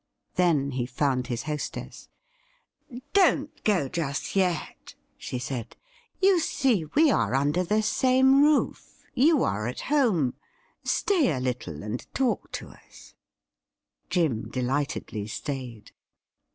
Then he found his hostess. ' Don't go just yet,' she said. * You see, we are under the same roof — ^you are at home. Stay a little and talk to us.' — Jim delightedly stayed.